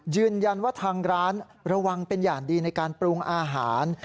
ยืนยันว่าทางร้านระวังเป็นอย่างดีในการปรุงอาหาร